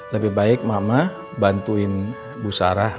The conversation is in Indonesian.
lebih baik mama bantuin bu sarah